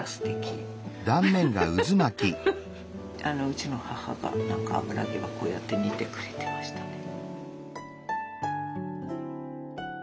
うちの母が何か油揚げはこうやって煮てくれてましたね。